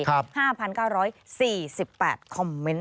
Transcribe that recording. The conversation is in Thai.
๕๙๔๘คอมเมนต์